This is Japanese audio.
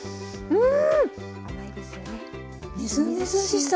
うん！